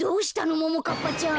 ももかっぱちゃん。